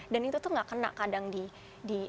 dan itu tuh gak kena kadang di